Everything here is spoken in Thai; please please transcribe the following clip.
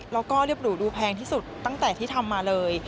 แล้วก็เรียบหรูดูแพงที่สุดตั้งแต่ที่ทำมาเลย